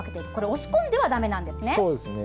押し込んではだめなんですね。